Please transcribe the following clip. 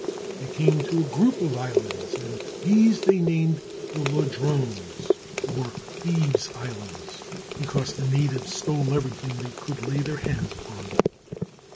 They came to a group of islands, and these they named the Ladrones, or thieves' islands, be cause the natives stole everything they could lay their hands upon.